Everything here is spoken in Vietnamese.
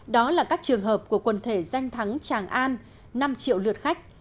đó là các trường hợp của quần thể danh thắng tràng an năm triệu lượt khách